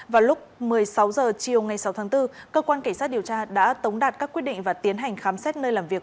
vào lúc một mươi sáu h chiều ngày sáu tháng bốn cơ quan cảnh sát điều tra đã tống đạt các quyết định và tiến hành khám xét nơi làm việc